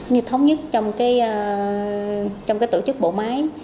như thống nhất trong cái tổ chức bộ máy